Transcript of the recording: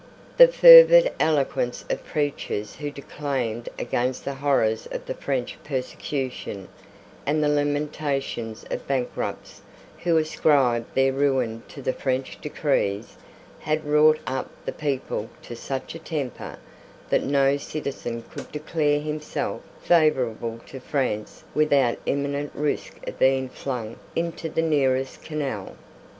The fervid eloquence of preachers who declaimed against the horrors of the French persecution, and the lamentations of bankrupts who ascribed their ruin to the French decrees, had wrought up the people to such a temper, that no citizen could declare himself favourable to France without imminent risk of being flung into the nearest canal.